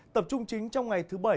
tập trung chính trong ngày thứ bảy